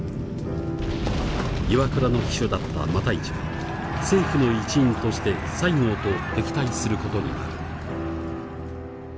岩倉の秘書だった復一は政府の一員として西郷と敵対することになる。